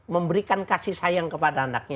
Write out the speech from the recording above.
memberikan kasih sayang kepada anaknya